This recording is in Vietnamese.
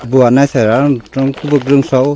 vụ án này xảy ra trong khu vực rừng sâu